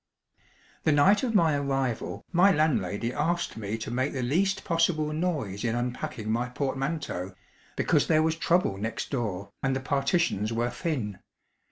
The night of my arrival, my landlady asked me to make the least possible noise in unpacking my portmanteau, because there was trouble next door, and the partitions were thin.